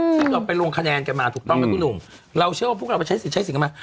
ซึ่งเราไปลงคะแนนกันมาถูกต้องไหมคุณหนุ่มเราเชื่อว่าพวกเราไปใช้สิทธิ์ใช้เสียงกันมา